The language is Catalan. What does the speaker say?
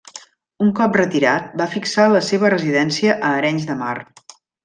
Un cop retirat, va fixar la seva residència a Arenys de Mar.